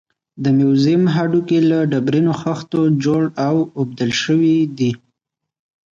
د موزیم هډوکي له ډبرینو خښتو جوړ او اوبدل شوي دي.